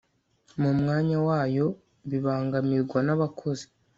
mu mwanya wayo bibangamirwa nabakozi